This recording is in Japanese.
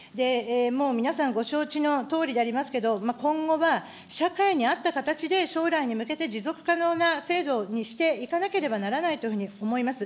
皆さん、ご承知のとおりでありますけれども、今後は社会に合った形で将来に向けて持続可能な制度にしていかなければならないというふうに思います。